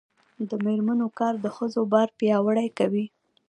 د میرمنو کار د ښځو باور پیاوړی کوي.